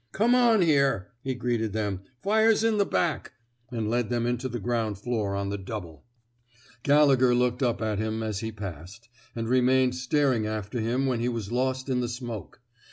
Come on here,'* he greeted them. Fire's in the back; '* and led them into the ground floor on the double. Gallegher looked up at him as he passed, and remained staring after him when he was lost in the smoke.